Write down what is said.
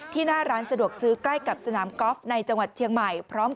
ที่หน้าร้านสะดวกซื้อใกล้กับสนามกอล์ฟในจังหวัดเทียงใหม่